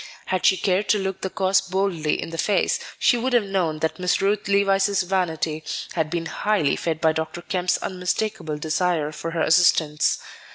Had she cared to look the cause boldly in the face, she would have known that Miss Ruth Levice's vanity had been highly fed by Dr. Kemp's unmistakable desire for her assistance.